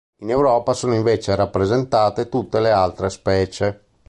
In Europa sono invece rappresentate tutte le altre specie.